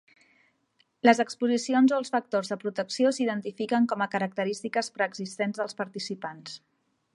Les exposicions o els factors de protecció s'identifiquen com a característiques preexistents dels participants.